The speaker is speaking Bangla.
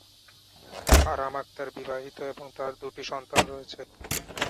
আরাম আক্তার বিবাহিত এবং তাঁর দুটি সন্তান রয়েছে।